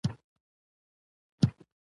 خو هغه یوازې نه وه